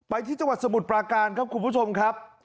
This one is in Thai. ที่จังหวัดสมุทรปราการครับคุณผู้ชมครับ